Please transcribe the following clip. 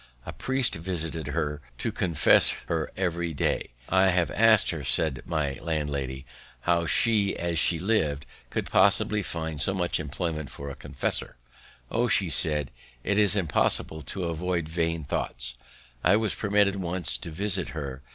A priest visited her to confess her every day. "I have ask'd her," says my landlady, "how she, as she liv'd, could possibly find so much employment for a confessor?" "Oh," said she, "it is impossible to avoid vain thoughts." I was permitted once to visit her.